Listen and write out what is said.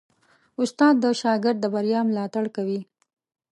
استاد د شاګرد د بریا ملاتړ کوي.